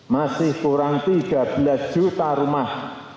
masih kurang tiga belas juta rumah